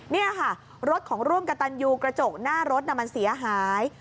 นี่ค่ะรถของร่วมกระตันยูกระจกหน้ารถมันเสียหาย